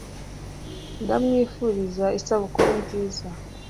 Ndamwifuriza isabukuru nziza